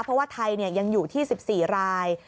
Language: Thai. เพราะว่าไทยยังอยู่ที่๑๔ราย